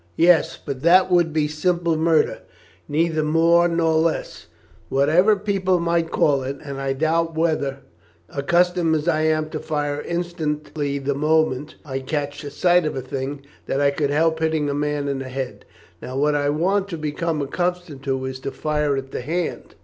"Yes, but that would be simple murder neither more nor less, whatever people might call it and I doubt whether, accustomed as I am to fire instantly the moment I catch sight of a thing, that I could help hitting a man in the head. Now what I want to become accustomed to is to fire at the hand.